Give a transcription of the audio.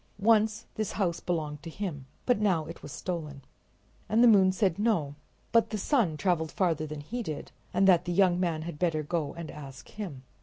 Once this house belonged to him, but now it was stolen. And the moon said no, but that the sun traveled farther than he did, and that the young man had better go and ask him.